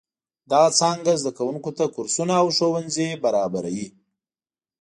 دغه څانګه زده کوونکو ته کورسونه او ښوونځي برابروي.